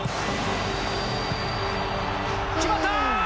決まった！